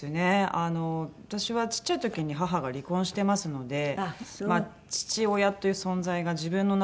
あの私はちっちゃい時に母が離婚してますので父親という存在が自分の中にはなくてですね。